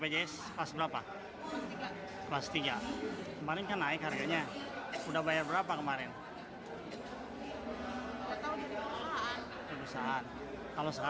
jangan berangkat terlalu dipotong banyak